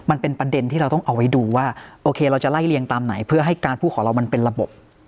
มันเป็นประเด็นที่เราต้องเอาไว้ดูว่าโอเคเราจะไล่เรียงตามไหนเพื่อให้การพูดของเรามันเป็นระบบ